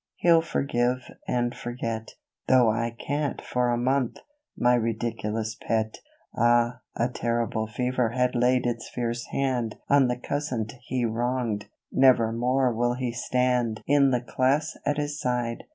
He'll forgive and forget, Though I can't for a month, my ridiculous pet !" Ah, a terrible fever had laid its fierce hand On the cousin he wronged. Nevermore will he stand In the class at his side.